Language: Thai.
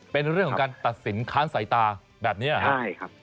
เป็นเรื่องของการตัดสินค้านสายตาแบบนี้ครับ